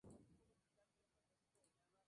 Es una isla al sur de Madagascar.